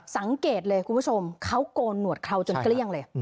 สังเกตเลยคุณผู้ชมเขาโกนหนวดเคราวจนเกลี้ยงเลย